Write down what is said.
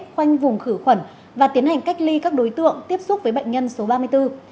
khoanh vùng khử khuẩn và tiến hành cách ly các đối tượng tiếp xúc với bệnh nhân số ba mươi bốn